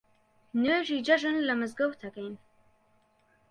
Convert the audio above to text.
نوێژی جێژن لە مزگەوت ئەکەین